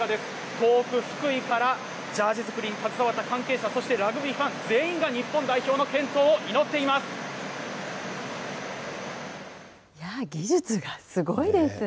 遠く福井からジャージ作りに携わった関係者、そしてラグビーファン、全員が日本代表の健技術がすごいですね。